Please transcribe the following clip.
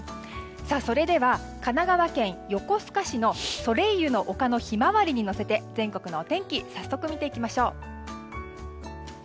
それでは、神奈川県横須賀市のソレイユの丘のヒマワリにのせて全国のお天気早速見ていきましょう。